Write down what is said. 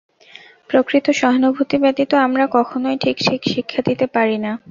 প্রকৃত সহানুভূতি ব্যতীত আমরা কখনই ঠিক ঠিক শিক্ষা দিতে পারি না।